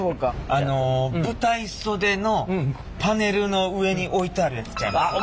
あの舞台袖のパネルの上に置いてあるやつちゃいますか。